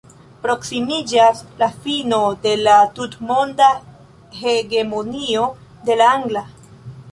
Proksimiĝas la fino de la tutmonda hegemonio de la angla.